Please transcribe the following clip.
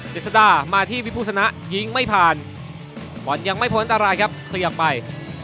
เจษฎามาที่วิพุษณะยิงไม่ผ่านหวัดยังไม่พ้นอันตรายครับเคลียบไป